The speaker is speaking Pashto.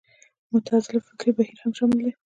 معتزله فکري بهیر هم شامل دی